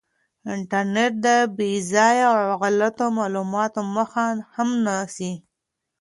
انټرنیټ د بې ځایه او غلطو معلوماتو مخه هم نیسي.